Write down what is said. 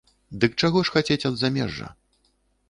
Дык чаго ж хацець ад замежжа?